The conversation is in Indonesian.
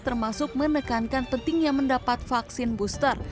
termasuk menekankan pentingnya mendapat vaksin booster